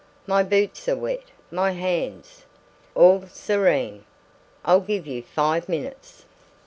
"My boots are wet; my hands " "All serene! I'll give you five minutes."